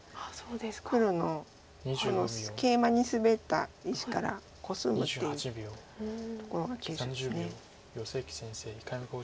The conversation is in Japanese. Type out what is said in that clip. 黒のケイマにスベった石からコスむっていうところが急所です。